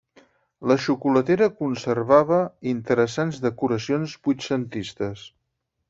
La xocolatera conservava interessants decoracions vuitcentistes.